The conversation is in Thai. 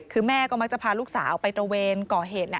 คือแม่ก็มักจะพาลูกสาวไปตระเวนก่อเหตุ